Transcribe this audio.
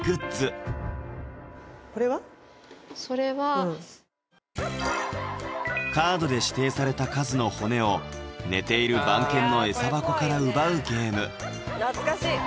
それはカードで指定された数の骨を寝ている番犬のエサ箱から奪うゲーム懐かしい！